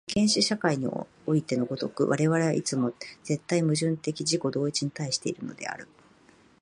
原始社会においての如く、我々はいつも絶対矛盾的自己同一に対しているのである。